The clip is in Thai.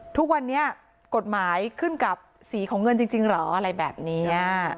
ทุกวันนี้กฎหมายขึ้นกับสีของเงินจริงเหรออะไรแบบนี้